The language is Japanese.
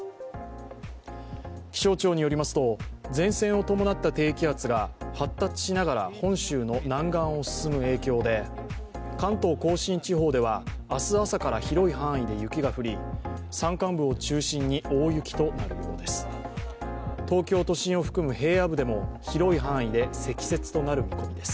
気象庁によりますと、前線を伴った低気圧が発達しながら本州の南岸を進む影響で関東甲信地方では明日朝から広い範囲で雪が降り、山間部を中心に大雪となる見込みです。